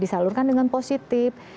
disalurkan dengan positif